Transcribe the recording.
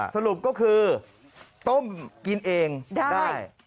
สรุปก็คือต้มกินเองได้